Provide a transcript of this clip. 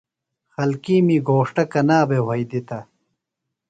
خلکِیمی گھوݜٹہ کنا بھے وھئی دِتہ؟